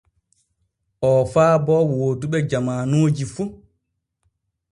Oo faabo wooduɓe jamaanuji fu.